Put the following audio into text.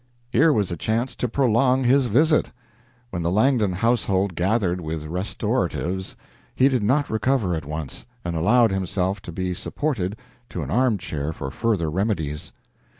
Here was a chance to prolong his visit. When the Langdon household gathered with restoratives, he did not recover at once, and allowed himself to be supported to an arm chair for further remedies.